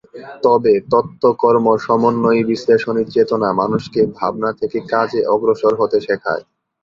তবে তত্ত্ব-কর্ম-সমন্বয়ী বিশ্লেষণী চেতনা মানুষকে ভাবনা থেকে কাজে অগ্রসর হতে শেখায়।